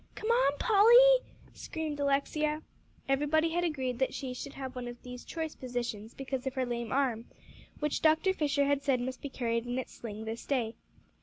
"Come on, Polly," screamed Alexia. Everybody had agreed that she should have one of these choice positions because of her lame arm, which Dr. Fisher had said must be carried in its sling this day.